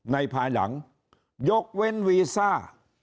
ภายหลังยกเว้นวีซ่า